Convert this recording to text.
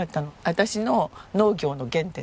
私の農業の原点ですね。